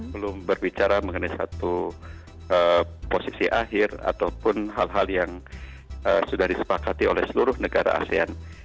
belum berbicara mengenai satu posisi akhir ataupun hal hal yang sudah disepakati oleh seluruh negara asean